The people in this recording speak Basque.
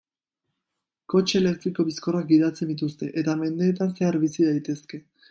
Kotxe elektriko bizkorrak gidatzen dituzte, eta mendeetan zehar bizi daitezke.